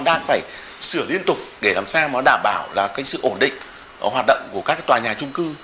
để làm sao mà đảm bảo là cái sự ổn định hoạt động của các tòa nhà trung cư